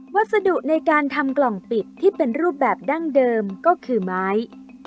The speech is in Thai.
วัสดุในการทำกล่องปิดที่เป็นรูปแบบดั้งเดิมก็คือไม้